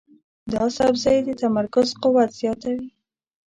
دا سبزی د تمرکز قوت زیاتوي.